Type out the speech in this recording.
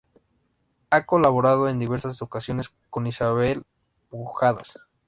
Ha colaborado en diversas ocasiones con Isabel Pujadas.